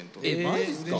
マジっすか？